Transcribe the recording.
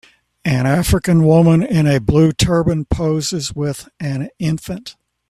An African woman in a blue turban poses with an infant